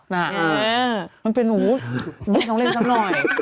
มันเป็นหนูไม่ต้องเล่นสักหน่อย